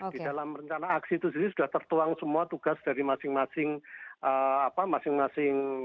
di dalam rencana aksi itu sudah tertuang semua tugas dari masing masing apa masing masing